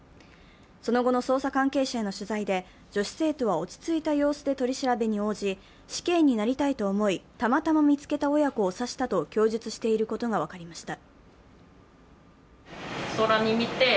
その後の捜査関係者への取材で、女子生徒は落ち着いた様子で取り調べに応じ、死刑になりたいと思いたまたま見つけた親子を刺したと供述していることが分かりました。